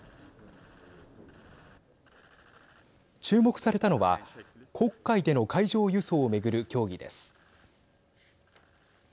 注目されたのは黒海での海上輸送をめぐる協議です。